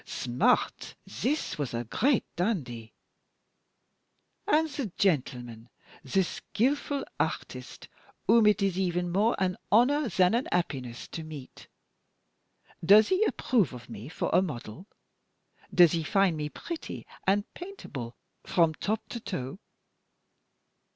smart! this was a great dandy?' And the gentleman, the skillful artist, whom it is even more an honor than a happiness to meet, does he approve of me for a model? Does he find me pretty and paintable from top to toe?"